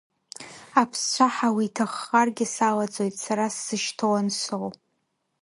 Аԥсцәаҳа уиҭаххаргьы салаӡоит, сара сзышьҭоу ансоу!